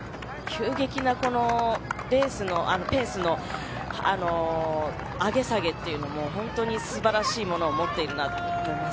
急激なペースの上げ下げも素晴らしいものを持っていると思います。